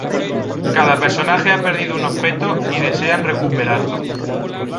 Cada personaje ha perdido un objeto y desean recuperarlo.